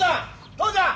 父ちゃん！